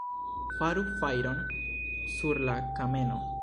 Faru fajron sur la kameno!